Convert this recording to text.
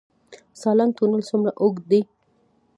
سالنګ تونل څومره اوږد دی؟